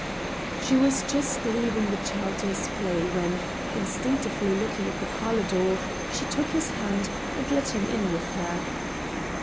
" She was just leaving the child to his play when, instinctively looking at the parlor door, she took his hand and led him in with her.